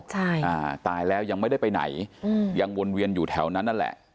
ใช่อ่าตายแล้วยังไม่ได้ไปไหนอืมยังวนเวียนอยู่แถวนั้นนั่นแหละ